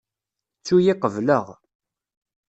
Ttu-yi qebleɣ.